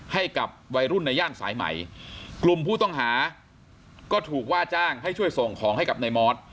ให้กับวัยรุ่นในย่านสายใหม่กลุ่มผู้ต้องหาก็ถูกว่าจ้างให้ช่วยส่งของให้กับนายมอส